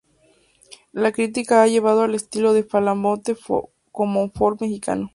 La crítica ha llamado el estilo de Belafonte como "folk mexicano".